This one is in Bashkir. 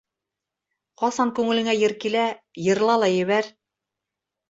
Ҡасан күңелеңә йыр килә - йырла ла ебәр.